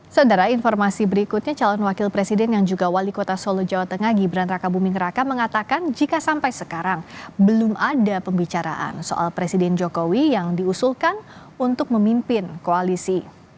saudara informasi berikutnya calon wakil presiden yang juga wali kota solo jawa tengah gibran raka buming raka mengatakan jika sampai sekarang belum ada pembicaraan soal presiden jokowi yang diusulkan untuk memimpin koalisi